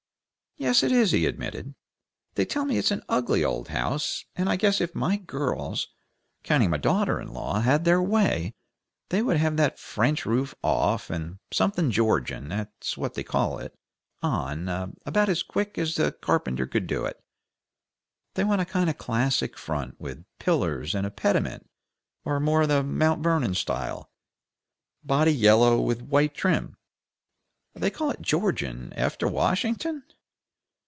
"Yes, it is," he admitted. "They tell me it's an ugly old house, and I guess if my girls, counting my daughter in law, had their way, they would have that French roof off, and something Georgian that's what they call it on, about as quick as the carpenter could do it. They want a kind of classic front, with pillars and a pediment; or more the Mount Vernon style, body yellow, with white trim. They call it Georgian after Washington?"